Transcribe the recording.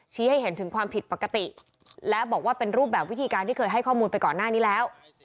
ให้เห็นถึงความผิดปกติและบอกว่าเป็นรูปแบบวิธีการที่เคยให้ข้อมูลไปก่อนหน้านี้แล้ว